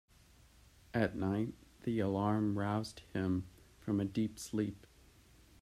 At night the alarm roused him from a deep sleep.